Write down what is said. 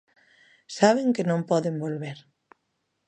Saben que non poden volver.